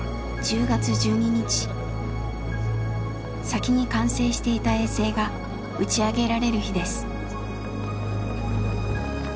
先に完成していた衛星が打ち上げられる日です。